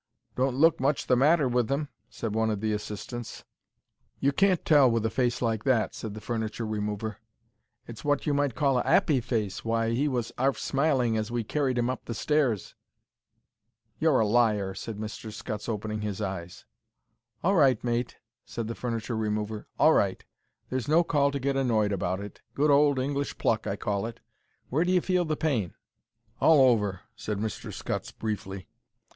"Don't look much the matter with 'im," said one of the assistants. "You can't tell with a face like that," said the furniture remover. "It's wot you might call a 'appy face. Why, he was 'arf smiling as we, carried 'im up the stairs." "You're a liar," said Mr. Scutts, opening his eyes. "All right, mate," said the furniture remover; "all right. There's no call to get annoyed about it. Good old English pluck, I call it. Where d'you feel the pain?" "All over," said Mr. Scutts, briefly.